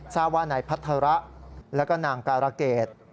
ทราบว่านายพัฒระแล้วก็นางการะเกด